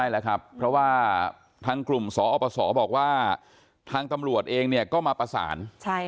แล้วครับเพราะว่าทางกลุ่มสอปศบอกว่าทางตำรวจเองเนี่ยก็มาประสาน